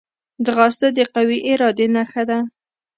ځغاسته د قوي ارادې نښه ده